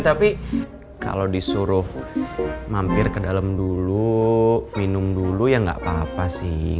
tapi kalau disuruh mampir ke dalam dulu minum dulu ya nggak apa apa sih